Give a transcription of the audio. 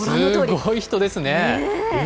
すごい人ですね。